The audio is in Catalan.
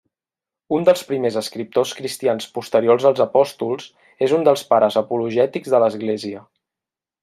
Un dels primers escriptors cristians posteriors als apòstols, és un dels pares apologètics de l'Església.